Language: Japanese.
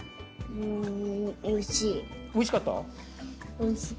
うんおいしかった？